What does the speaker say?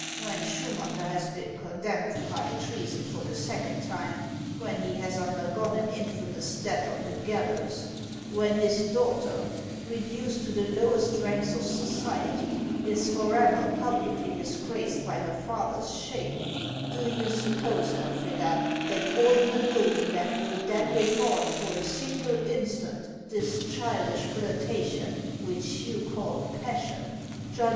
When Schumacker has been condemned for high treason for the second time ; when he has undergone an infamous death on the gallows ; when his daughter, re duced to the lowest ranks of society, is forever publicly dis graced by her father's shame, — do you suppose, Elphega, that Ordener Guldenlew will then recall for a single in stant this childish flirtation which you call passion, judg 428 HANS OF ICELAND.